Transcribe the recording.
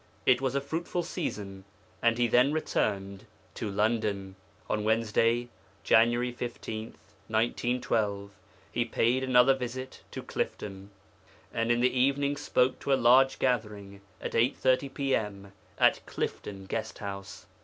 It was a fruitful season, and He then returned to London. On Wednesday, Jan. 15, 1912, He paid another visit to Clifton, and in the evening spoke to a large gathering at 8.30 P.M. at Clifton Guest House.